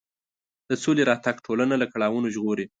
د سولې راتګ ټولنه له کړاوونو ژغوري.